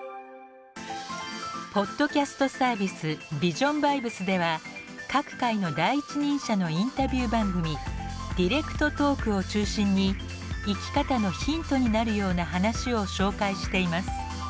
ポッドキャストサービス「ＶｉｓｉｏｎＶｉｂｅｓ」では各界の第一人者のインタビュー番組「ＤｉｒｅｃｔＴａｌｋ」を中心に生き方のヒントになるような話を紹介しています。